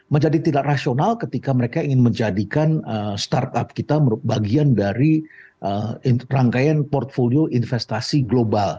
menjadi tidak rasional ketika mereka ingin menjadikan startup kita bagian dari rangkaian portfolio investasi global